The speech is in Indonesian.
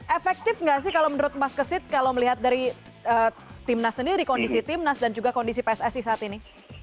efektif nggak sih kalau menurut mas kesit kalau melihat dari timnas sendiri kondisi timnas dan juga kondisi pssi saat ini